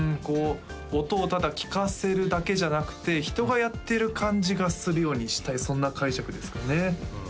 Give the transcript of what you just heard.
音をただ聴かせるだけじゃなくて人がやってる感じがするようにしたいそんな解釈ですかね